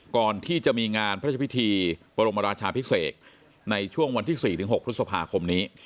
ก่อนที่จะมีงานพระราชพิธีประลงมราชาภิกษฐกในช่วงวันที่สี่ถึงหกพฤษภาคมนี้